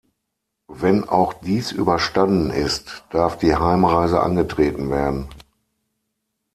Wenn auch dies überstanden ist, darf die Heimreise angetreten werden.